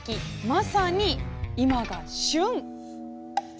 まさに今が旬！